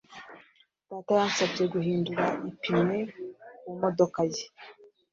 Data yansabye guhindura ipine ku modoka ye.